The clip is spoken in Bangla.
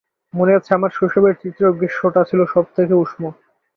মনে আছে আমার শৈশবের তৃতীয় গ্রীষ্মটা ছিল সবথেকে উষ্ণ।